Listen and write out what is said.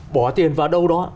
bỏ tiền vào đâu đó